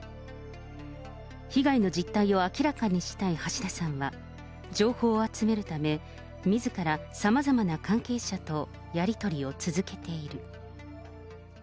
被害の実態を明らかにしたい橋田さんは、情報を集めるため、みずからさまざまな関係者とやり取りを続けている。